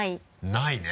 ないね。